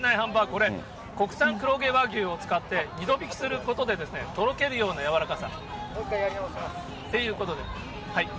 これ、国産黒毛和牛を使って、２度びきすることで、とろけるような柔らかさ。ということで。